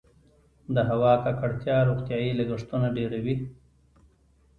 د هوا ککړتیا روغتیايي لګښتونه ډیروي؟